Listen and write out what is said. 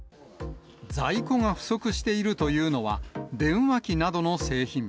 在庫が不足しているというのは、電話機などの製品。